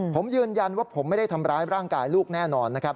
ผมยืนยันว่าผมไม่ได้ทำร้ายร่างกายลูกแน่นอนนะครับ